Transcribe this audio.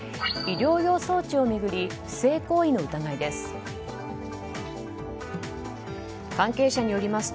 医療用装置を巡り不正行為の疑いです。